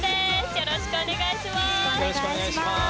よろしくお願いします。